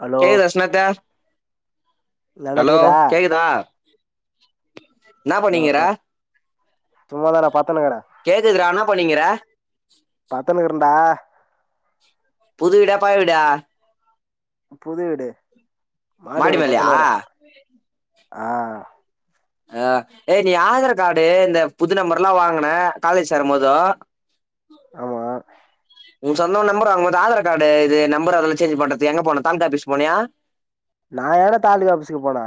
hello ஏ ரஸ்னா தா hello கேக்குதா ன்னா ஹலோ பண்ணினுக்குற சும்மாதா நா பத்தனுக்குறே கேக்குதுரா என்னா பண்ணின்கீர பட்த்துனுக்கீறேன்டா புதுவீடா பழைய வீடா புது வீடு மாடி மேல பட்த்துனுக்கீறே ஆ அ ஏய் நீ ஆதார் கார்டு இந்த புது நம்பருல்லா வாங்குன காலேஜ் சேரும் போது ஆமா உங்க சொந்த ஊர் நம்பர் அவுங்க ஆதார் கார்டு இது நம்பரு அதல்லா சேஞ் பண்றதுக் எங்க போன தாலுகா ஆஃபீஸ் போனியா நா ஏன்டா தாலுகா ஆஃபிஸ்க்கு போனே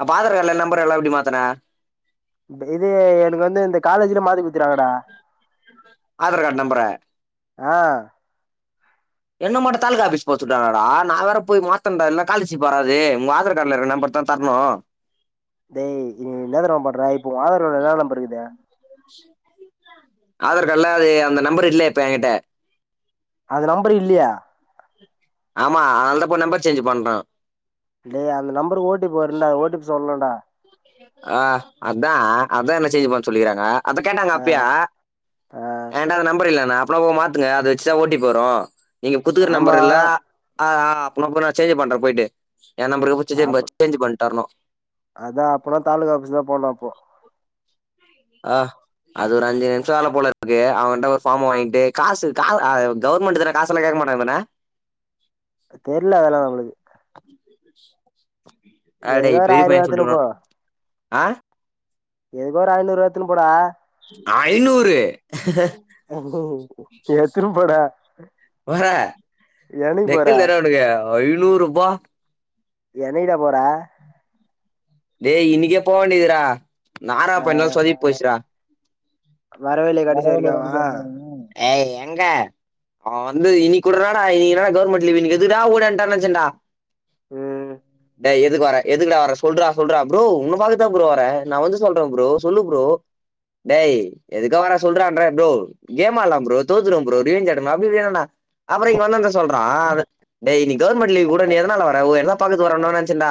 அப்ப ஆதார் கார்டுல நம்பர்லா எப்டி மாத்துன த இது எனக்கு வந்து இந்த காலேஜ்ல மாத்தி குட்த்துறாங்கடா ஆதார் கார்டு நம்பர ஆ என்ன மட்டு தாலுகா ஆஃபீஸ் போகச் சொல்ட்டாங்களேடா அ நா வேற போய் மாத்தணுன்டா இல்லன்னா காலர்ஷிப் வராது உங்க ஆதார் காட்ல இருக்குற நம்பர் தா தரனு டேய் நீ என்ன தெரியுமா பண்ற இப்ப ஓ ஆதார் கார்டுல என்னா நம்பர் இருக்குது ஆதார் கார்டுல அது அந்த நம்பர் இல்ல இப்ப எ கிட்ட அது நம்பர் இல்லையா ஆமா அதனால தா இப்ப நம்பர் சேஞ்சு பண்றோ டேய் அந்த நம்பருக்கு ஓ டி பி வரும்டா அந்த ஓ டி பி சொல்லனும்டா ஆ அதா அதா மெசேஞ்சு பண்ண சொல்லிக்கிறாங்க அதக் கேட்டாங்க ஆ அப்பயே என்ட்ட அந்த நம்பர் இல்லன்ன [unintelligible] மாத்துங்க அத வச்சுதா ஓ டி பீ வரு நீங்க குட்த்துக்கிற ஆமா நம்பர்ல ஆஹ் ஹ அப்ப நா போனா சேஞ்ச் பண்றே போயிட்டு எ நம்பர சேஞ்ச் பண்ட்டு வரணு அதா அப்போன்னா தாலூகா ஆபீஸ் தா போனு அப்போ ஆ அது ஒரு அஞ்சு நிமிஷோ ஆகு போல இருக்கு அவன்ட்ட ஒரு ஃபாம வாங்கிட்டு காசு கா ஆ ஏ கவுர்மெண்ட்டு தான காசெல்லா கேக்க மாட்டாங்க தான தெரீல்ல அதெல்லா நம்மளுக்கு எதுக்கோ அடேய் ஒரு பெரிய்ய ஆயிரம் பைய ரூபா எடுத்துன்னு சொல்லுவா போ ஆ எதுக்கு ஒரு ஐநூறு எடுத்துனு போட ஐநூறு எத்துரு போடா குமார எனைக்கு போற நெக்கல் தா டா உனுக்கு ஐநூறு ரூபா என்னக்கிடா போற டேய் இன்னிக்கே போவேண்டியதுடா நாரப்பன்ல சொதீப் போச்சிடா வரவே இல்லையே வட கடைசி வரைக்கு அவன் [unintelligible] ஏய் எங்க ஆ வந்து இனிக் கூடடா நீன்னடா கவர்மென்ட் லீவு இனிக்கு எதுக்குடா ஓடன்டா ன் நெனச்சன்டா உம்ம் டேய் எதுக் வாரா எதுக்குடா வரா சொல்றா சொல்ற ப்ரோ ஒங்கள பாக்கதா ப்ரோ வரே நா வந்து சொல்றே ப்ரோ சொல்லு ப்ரோ டேய் எதுக்கா வரா சொல்றான்ரே ப்ரோ கேமாட்லா ப்ரோ தோதுரும் ப்ரோ ப்ரேஞ்சடால அப்டி அப்டி வேணுனா அப்புற இங்க வந்த சொல்றா டே இன்னிக் கவர்மெண்ட் லீ்வு கூட நீ எதனால வர என்ன தா பாக்க வரநெனச்சேன்டா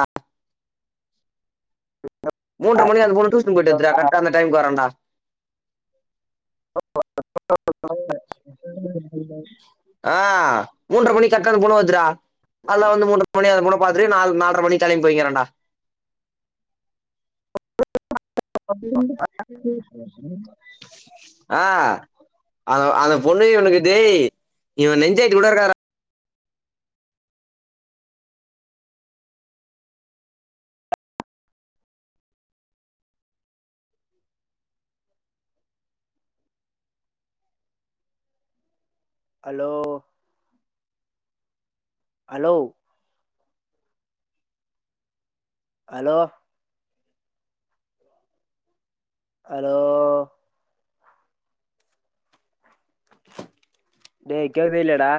மூன்றமணியாது மூனு டுஜீஸ் போய்ட் வராண்டா கரெக்டா அந்த டைம்க்கு வரேன் டா ஒஒஒ [unintelligible] ஆ மூன்றரமணிக் கரட்டா அந்த பொண்ணு வருதுடா அதுல வந்து மூன்ற மணி அந்த பொண்ண பாத்துட்டு நாலு நால்ற மணி கெளம்மி போய்க்குரேண்டா ஆ அ அது பொண்ணுகு உனக்கு தெய் இவ நெஞ்சாயிட்டு உள்ள இருக்காடா அலோ அலோ அலோ அலோ டேய் கேப்பியா இல்லயாடா